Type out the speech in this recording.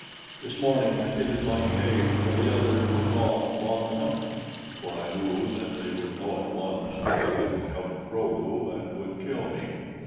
This morning I hid in my cave till the others were gone upon the hunt, for I knew that they would know at once that I had become a Kro lu and would kill me.